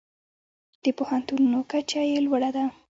د پوهنتونونو کچه یې لوړه ده.